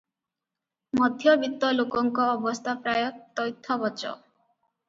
ମଧ୍ୟବିତ୍ତ ଲୋକଙ୍କ ଅବସ୍ଥା ପ୍ରାୟ ତଥୈବଚ ।